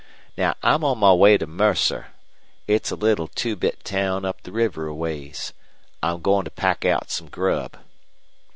Now, I'm on my way to Mercer. It's a little two bit town up the river a ways. I'm goin' to pack out some grub."